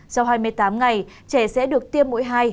sau hai mươi tám ngày trẻ sẽ được tiêm mũi hai